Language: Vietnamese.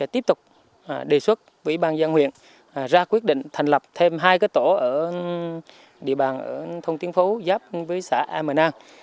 tiếp tục đề xuất với ủy ban giang huyện ra quyết định thành lập thêm hai cái tổ ở địa bàn ở thông tiến phố giáp với xã a mờ nang